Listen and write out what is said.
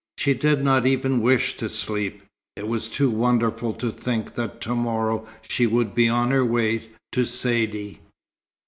She did not even wish to sleep. It was too wonderful to think that to morrow she would be on her way to Saidee.